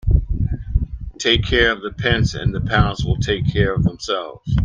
Take care of the pence and the pounds will take care of themselves.